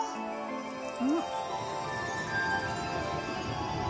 うん？